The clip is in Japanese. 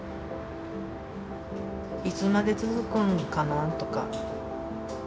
いつまで続くんかなとか。